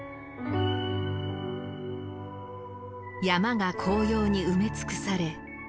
山が紅葉に埋め尽くされ